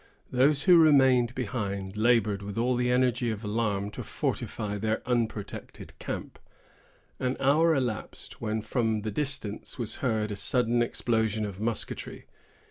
Those who remained behind labored with all the energy of alarm to fortify their unprotected camp. An hour elapsed, when from the distance was heard a sudden explosion of musketry.